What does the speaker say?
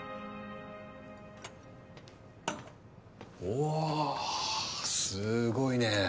おお、すごいね。